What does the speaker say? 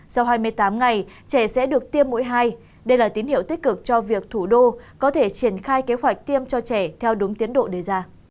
sau hai mươi tám ngày trẻ sẽ được tiêm mũi hai đây là tín hiệu tích cực cho việc thủ đô có thể triển khai kế hoạch tiêm cho trẻ theo đúng tiến độ đề ra